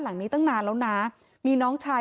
สวัสดีคุณผู้ชายสวัสดีคุณผู้ชาย